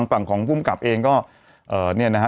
ฝั่งของภูมิกับเองก็เนี่ยนะฮะ